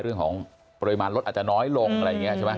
เรื่องของปริมาณรถอาจจะน้อยลงอะไรอย่างนี้ใช่ไหม